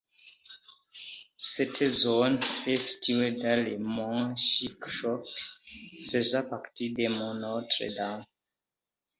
Cette zone est située dans les monts Chic-Chocs, faisant partie des monts Notre-Dame.